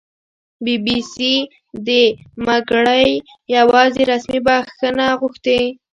بي بي سي دمګړۍ یواځې رسمي بښنه غوښتې